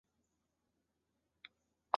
天柱民族民间文化丰富多彩。